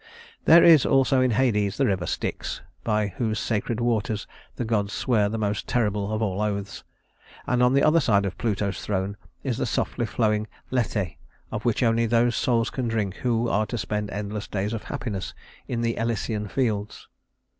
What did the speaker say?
There is also in Hades the river Styx, by whose sacred waters the gods swear the most terrible of all oaths, and on the other side of Pluto's throne is the softly flowing Lethe, of which only those souls can drink who are to spend endless days of happiness in the Elysian Fields.